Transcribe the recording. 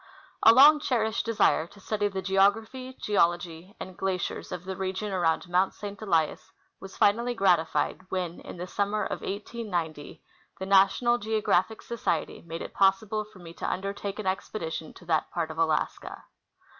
A long cherished desire to study the geography, geology, and glaciers of the region around Mount St. Elias was finally gratified when, in the summer of 1890, the National Geographic Society made it possible for me to undertake an expedition to that part of Alaska.